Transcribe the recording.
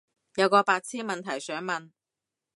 有個白癡問題想問